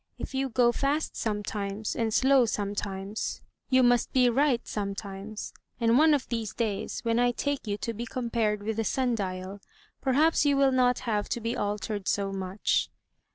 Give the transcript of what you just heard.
If you go fast sometimes, and slow sometimes, you must be right sometimes, and one of these days, when 1 take you to be compared with the sim dial, perhaps you will not have to be altered so much."